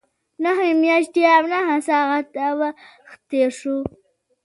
نهه میاشتې او نهه ساعته وخت تېر شو.